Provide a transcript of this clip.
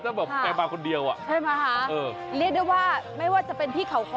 แล้วแบบแกมาคนเดียวอ่ะใช่ไหมคะเออเรียกได้ว่าไม่ว่าจะเป็นพี่เขาคอ